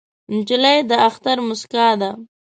نجلۍ د اختر موسکا ده.